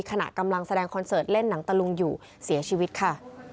ขณะกำลังแสดงคอนเสิร์ตเล่นหนังตะลุงอยู่เสียชีวิตค่ะ